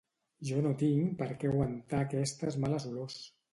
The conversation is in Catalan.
Jo no tinc perquè aguantar aquestes males olors